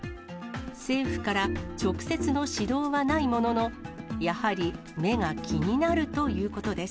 政府から直接の指導はないものの、やはり目が気になるということです。